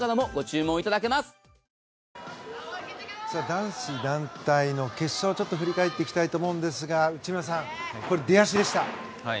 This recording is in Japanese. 男子団体の決勝振り返っていきたいと思いますが内村さん、出だしでした。